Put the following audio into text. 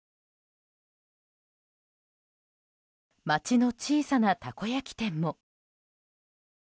町の小さなたこ焼き店も。